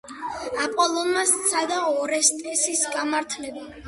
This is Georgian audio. აპოლონმა სცადა ორესტესის გამართლება.